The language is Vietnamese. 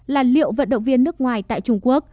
là liệu vận động viên nước ngoài tại trung quốc